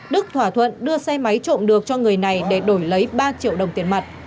đức thỏa thuận đưa xe máy trộm được cho người này để đổi lấy ba triệu đồng tiền mặt